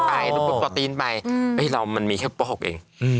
ผมคิดว่ามันมีแค่อสอร์หกออกเอง